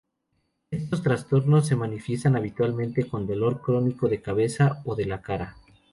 Estos trastornos se manifiestan habitualmente con dolor crónico de cabeza o de la cara.